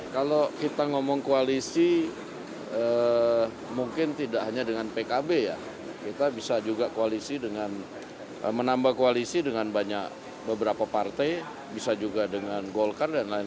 kalau kita ngomong koalisi mungkin tidak hanya dengan pkb ya kita bisa juga koalisi dengan menambah koalisi dengan banyak beberapa partai bisa juga dengan golkar dan lain lain